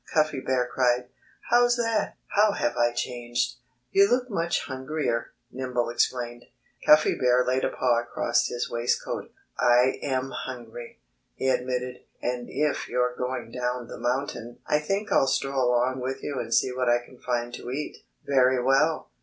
Cuffy Bear cried. "How's that? How have I changed?" "You look much hungrier," Nimble explained. Cuffy Bear laid a paw across his waistcoat. "I am hungry," he admitted. "And if you're going down the mountain I think I'll stroll along with you and see what I can find to eat." "Very well!"